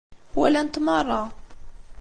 Walant meṛṛa.